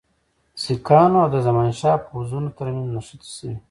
سیکهانو او د زمانشاه پوځونو ترمنځ نښتې سوي.